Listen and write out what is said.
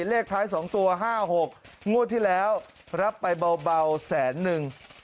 เลขท้าย๒ตัว๕๖งวดที่แล้วรับไปเบาแสนนึง